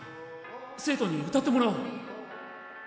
生徒に歌ってもらおう。